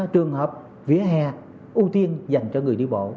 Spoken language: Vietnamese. trường hợp vỉa hè ưu tiên dành cho người đi bộ